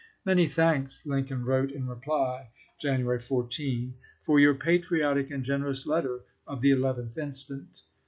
"Many thanks," Lincoln wrote in reply, January 14, "for your patriotic and generous letter of the 11th instant.